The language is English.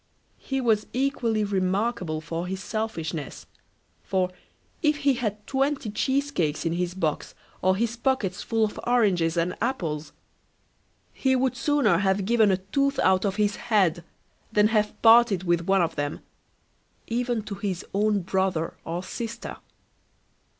He was equally remarkable for his selfishness; for if he had twenty cheesecakes in his box, or his pockets full of oranges and apples, he would sooner have given a tooth out of his head than have parted with one of them, even to his own brother or sister.